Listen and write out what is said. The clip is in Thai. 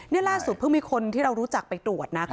นี่ล่าสุดเพิ่งมีคนที่เรารู้จักไปตรวจนะ